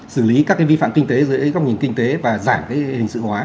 xử lý các cái vi phạm kinh tế dưới góc nhìn kinh tế và giảm cái hình sự hóa